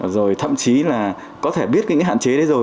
rồi thậm chí là có thể biết những cái hạn chế đấy rồi